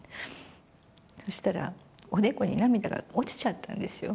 そしたら、おでこに涙が落ちちゃったんですよ。